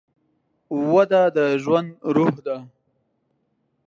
وده د ژوند روح ده.